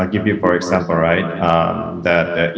saya akan memberikan contoh